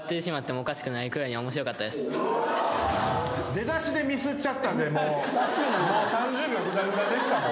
出だしでミスっちゃったんで３０秒ぐだぐだでした。